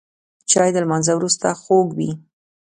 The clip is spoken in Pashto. چای د لمانځه وروسته خوږ وي